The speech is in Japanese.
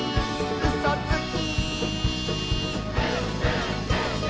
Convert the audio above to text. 「うそつき！」